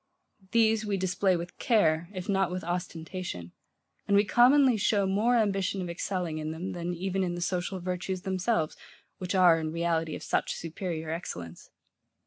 These we display with care, if not with ostentation; and we commonly show more ambition of excelling in them, than even in the social virtues themselves, which are, in reality, of such superior excellence.